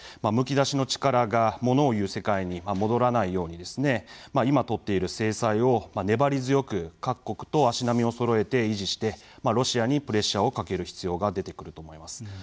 むき出しの力が物を言う世界に戻らないように今取っている制裁を粘り強く各国と足並みをそろえて維持して、ロシアにプレッシャーをかける必要が出てくると思います。